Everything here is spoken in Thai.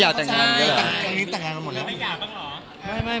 ยังไม่อยากลงหรอ